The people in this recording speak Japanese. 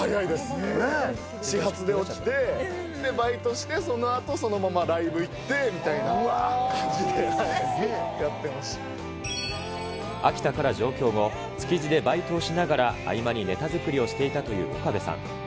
始発で起きてバイトして、そのあと、そのままライブ行ってみたい秋田から上京後、築地でバイトしながら、合間にネタ作りをしていたという岡部さん。